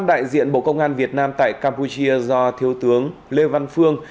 cơ quan đại diện bộ công an việt nam tại campuchia do thiếu tướng lê văn phương